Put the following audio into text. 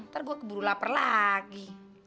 ntar gue keburu lapar lagi